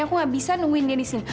aku gak bisa nungguin dia di sini